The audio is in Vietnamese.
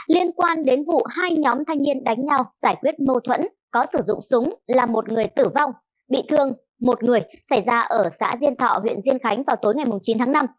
liên quan đến vụ hai nhóm thanh niên đánh nhau giải quyết mâu thuẫn có sử dụng súng là một người tử vong bị thương một người xảy ra ở xã diên thọ huyện diên khánh vào tối ngày chín tháng năm